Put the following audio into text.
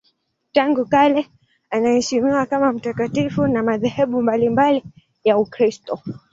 Tangu kale anaheshimiwa kama mtakatifu na madhehebu mbalimbali ya Ukristo.